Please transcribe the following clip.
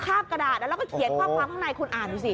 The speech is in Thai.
ภาพกระดาษแล้วก็เขียนข้อความข้างในคุณอ่านดูสิ